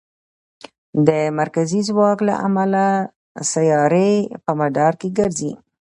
د مرکزي ځواک له امله سیارې په مدار کې ګرځي.